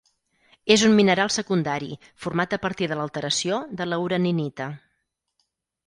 És un mineral secundari format a partir de l'alteració de la uraninita.